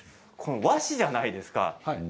和紙じゃないですか。